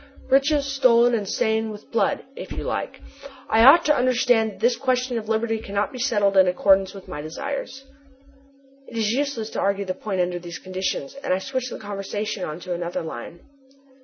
"'Riches stolen and stained with blood,' if you like 'I ought to understand that this question of liberty cannot be settled in accordance with my desires.'" It is useless to argue the point under these conditions, and I switch the conversation on to another line.